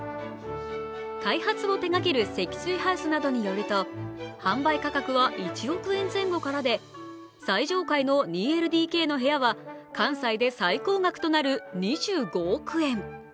開発を手がける積水ハウスなどによると販売価格は１億円前後からで、最上階の２ＬＤＫの部屋は関西で最高となる２５億円。